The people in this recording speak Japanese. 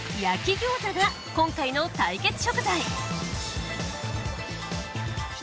焼き餃子が今回の対決食材。